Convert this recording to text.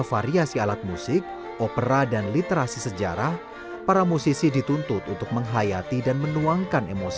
tapi menang saja kekuasaan mereka